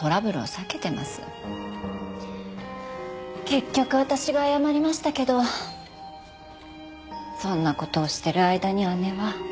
結局私が謝りましたけどそんな事をしてる間に姉は。